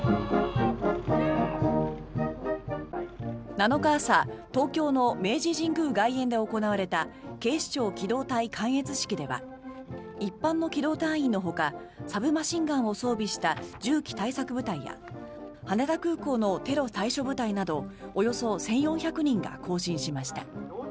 ７日朝東京の明治神宮外苑で行われた警視庁機動隊観閲式では一般の機動隊員のほかサブマシンガンを装備した銃器対策部隊や羽田空港のテロ対処部隊などおよそ１４００人が行進しました。